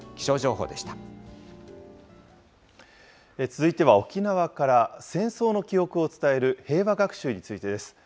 続いては沖縄から、戦争の記憶を伝える平和学習についてです。